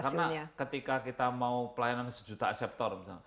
karena ketika kita mau pelayanan satu juta acceptor misalnya